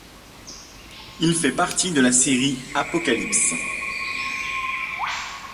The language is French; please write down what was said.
Il fait partie de la série Apocalypse.